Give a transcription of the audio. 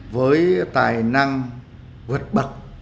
với tài năng vượt bậc